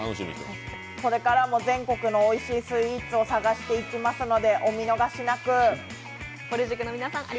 これからも全国のおいしいスイーツを探していきますので、お見逃しなく。